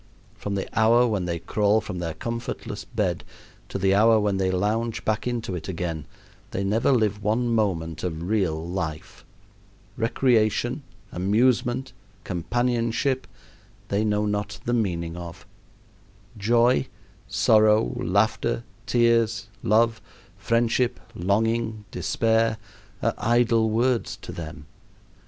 From the hour when they crawl from their comfortless bed to the hour when they lounge back into it again they never live one moment of real life. Recreation, amusement, companionship, they know not the meaning of. Joy, sorrow, laughter, tears, love, friendship, longing, despair, are idle words to them.